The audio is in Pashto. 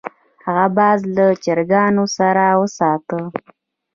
هغه باز له چرګانو سره وساته.